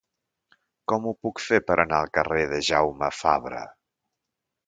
Com ho puc fer per anar al carrer de Jaume Fabre?